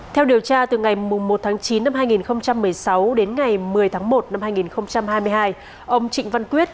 theo điều tra từ ngày một tháng chín năm hai nghìn một mươi sáu đến ngày một mươi tháng một năm hai nghìn hai mươi hai ông trịnh văn quyết